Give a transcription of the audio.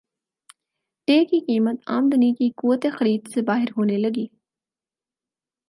ٹےکی قیمت عام دمی کی قوت خرید سے باہر ہونے لگی